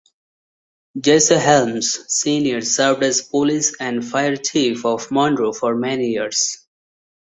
Jesse Helms Senior served as Police and Fire Chief of Monroe for many years.